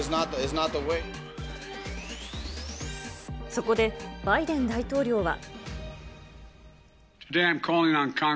そこでバイデン大統領は。